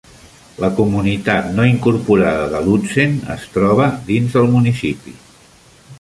La comunitat no incorporada de Lutsen es troba dins el municipi.